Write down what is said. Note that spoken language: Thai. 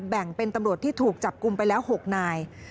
แบ่งเป็นตำรวจที่ถูกจับกลุ่มไปแล้ว๖นาย